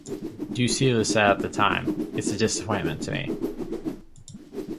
DuCille said at the time, It's a disappointment to me.